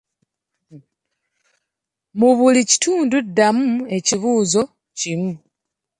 Mu buli kitundu ddamu ekibuuzo kimu